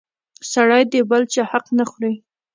سړی د بل چا حق نه خوري!